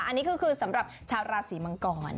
อันนี้ก็คือสำหรับชาวราศีมังกร